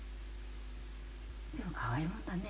でもかわいいもんだね。